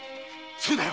そうだよ。